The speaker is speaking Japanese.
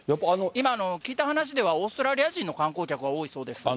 今、聞いた話では、オーストラリア人の観光客が多いそうです。